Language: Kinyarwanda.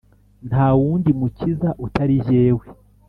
nta wundi mukiza, utari jyewe.